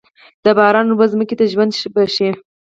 د باران اوبه ځمکې ته ژوند بښي.